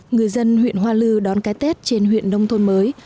người dân huyện hoa lư đón cái tết trên huyện nông thôn mới